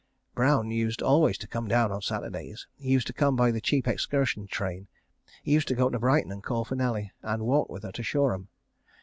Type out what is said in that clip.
Brown used always to come down on Saturdays. He used to come by the cheap excursion train. He used to go to Brighton and call for Nelly, and walk with her to Shoreham.